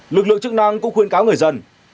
lực lượng chức năng cũng khuyên cáo người dân